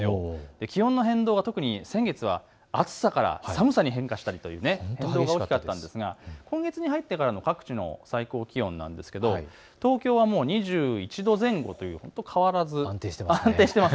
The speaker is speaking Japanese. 気温の変動が先月は暑さから寒さに変化したりと大きかったんですが今月に入ってからの各地の最高気温なんですけれども東京は２１度前後、変わらず安定しています。